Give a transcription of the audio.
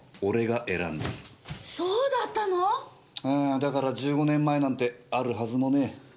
だから１５年前なんてあるはずもねえ。